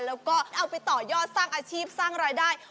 แล้วก็เอาไปต่อยอดสร้างอาชีพสร้างรายได้